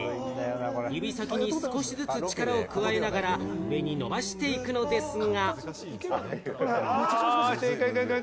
指先に少しずつ力を加えながら、伸ばしていくのですが。